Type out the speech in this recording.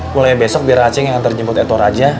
mulai besok biar acing yang anter jemput edward aja